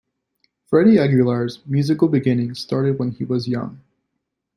Freddie Aguilar's musical beginnings started when he was young.